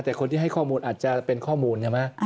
แต่คนที่ให้ข้อมูลอาจจะเป็นข้อมูลใช่ไหม